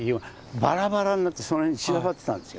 バラバラになってその辺に散らばってたんですよ。